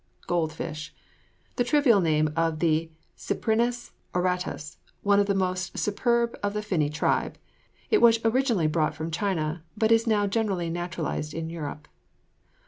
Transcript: GOLD FISH. The trivial name of the Cyprinus auratus, one of the most superb of the finny tribe. It was originally brought from China, but is now generally naturalized in Europe.